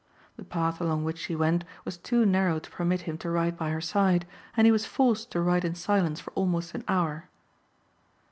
The path along which she went was too narrow to permit him to ride by her side and he was forced to ride in silence for almost an hour.